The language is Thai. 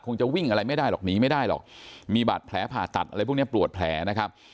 จะวิ่งอะไรไม่ได้หรอกหนีไม่ได้หรอกมีบาดแผลผ่าตัดอะไรพวกนี้ปวดแผลนะครับ